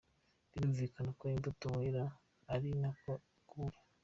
Birumvikana ko imbuto wera ari na ko uba uri.